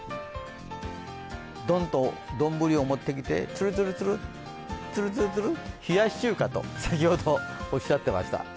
ドンと、丼を持ってきてつるつるつる冷やし中華と先ほどおっしゃっていました。